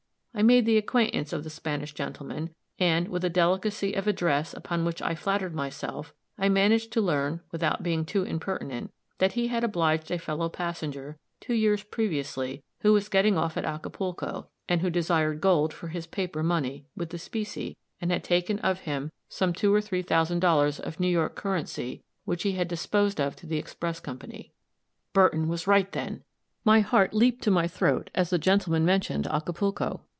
I made the acquaintance of the Spanish gentleman, and, with a delicacy of address upon which I flattered myself, I managed to learn, without being too impertinent, that he had obliged a fellow passenger, two years previously, who was getting off at Acapulco, and who desired gold for his paper money, with the specie, and had taken of him some two or three thousand dollars of New York currency, which he had disposed of to the Express Company. Burton was right, then! My heart leaped to my throat as the gentleman mentioned Acapulco.